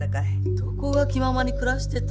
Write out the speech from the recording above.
どこが気ままに暮らしてた？